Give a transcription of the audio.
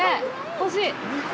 欲しい？